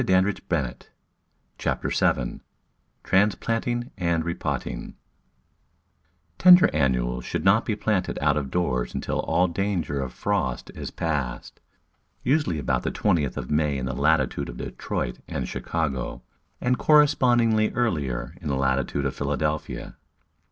Digitized by Google Chapter SEVEN Cransplanting anti Spotting TENDER annuals should not be planted out of doors until all danger of frost is past — usually about the twentieth of May in the latitude of Detroit and Chicago, and correspondingly earlier in the latitude of Philadelphia.